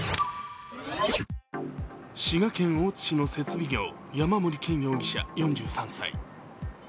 滋賀県大津市の設備業山森健容疑者４３歳。